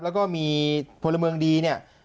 แล้วก็มีพลเมืองดีเนี่ย